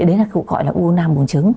đấy là gọi là u năng buồng trứng